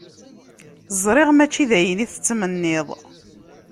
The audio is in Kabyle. Ẓriɣ mačči d ayen i tettmenniḍ.